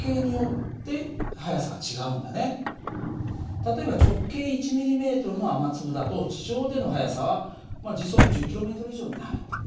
例えば直径１ｍｍの雨粒だと地上での速さは時速１０ｋｍ以上になる。